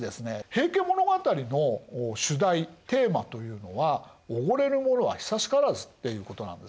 「平家物語」の主題テーマというのは「おごれる者は久しからず」っていうことなんですね。